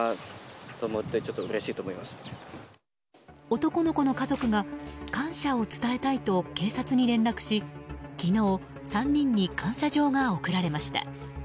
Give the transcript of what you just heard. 男の子の家族が感謝を伝えたいと警察に連絡し昨日、３人に感謝状が贈られました。